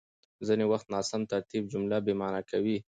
ځينې وخت ناسم ترتيب جمله بېمعنا کوي.